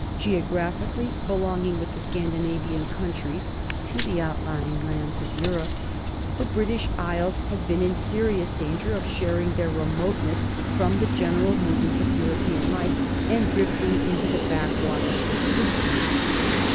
Geographically belonging, with the Scandi navian countries, to the outlying lands of Europe, the British Isles had been in serious danger of sharing their remoteness from the general movements of European life and drifting into the back waters of history.